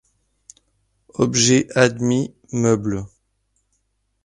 Objet admis : meubles.